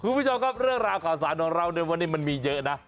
คุณผู้ชมครับเรื่องราวข่าวสารของเราในวันนี้มันมีเยอะนะ